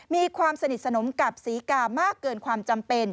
มีความสนิทสนมกับศรีกามากเกินความจำเป็น